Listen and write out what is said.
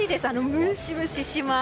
ムシムシします。